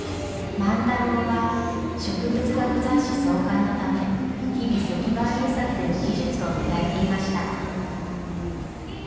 万太郎は植物学雑誌創刊のため日々石版印刷での技術を磨いていました。